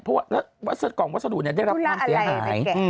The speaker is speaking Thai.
เพราะว่ากล่องวัสดุได้รับความเสียหาย